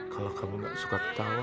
kalau kamu gak suka ketawa